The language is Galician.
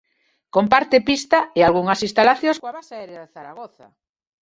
Comparte pista e algunhas instalacións coa Base Aérea de Zaragoza.